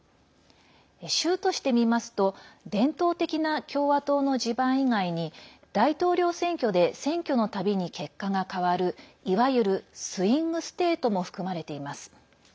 州として見ますと伝統的な共和党の地盤以外に大統領選挙で選挙の度に結果が変わるいわゆるスイング・ステートも含まれています。